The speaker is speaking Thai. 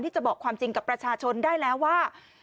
จะบอกความจริงกับประชาชนได้แล้วว่า